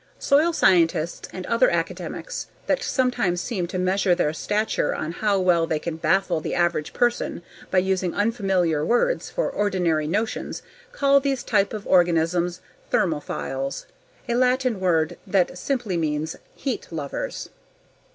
Soil scientists and other academics that sometimes seem to measure their stature on how well they can baffle the average person by using unfamiliar words for ordinary notions call these types of organisms thermophiles, a Latin word that simply means "heat lovers."